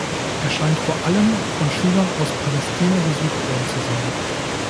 Er scheint vor allem von Schülern aus Palästina besucht worden zu sein.